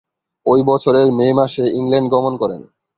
ঐ বছরের মে মাসে ইংল্যান্ড গমন করেন।